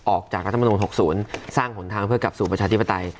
ออกจากรัฐมนุน๖๐สร้างหนทางเพื่อกลับสู่ประชาธิปไตย